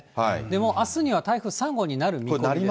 もうあすには台風３号になる見込みです。